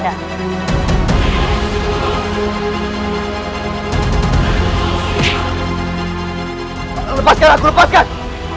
hai lepas keraguan